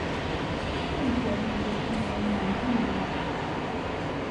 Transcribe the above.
这一结论被称为蒙日圆。